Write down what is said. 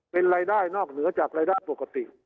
เป็นรายได้นอกเหนือจากรายได้ปกติ